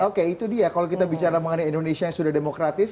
oke itu dia kalau kita bicara mengenai indonesia yang sudah demokratis